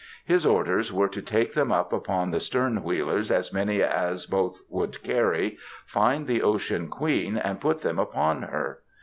His orders were to take them upon the "stern wheelers," as many as both would carry, find the Ocean Queen, and put them upon her.